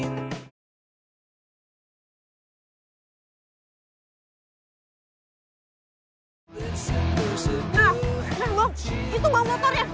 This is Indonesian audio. nah nanti bang itu bang motor ya